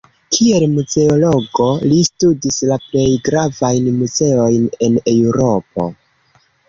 Kiel muzeologo li studis la plej gravajn muzeojn en Eŭropo.